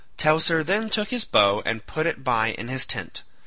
Teucer then took his bow and put it by in his tent.